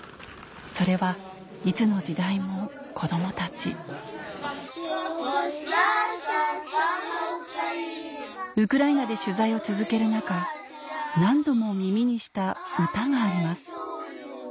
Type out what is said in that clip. それはいつの時代も子どもたちウクライナで取材を続ける中何度も耳にした歌があります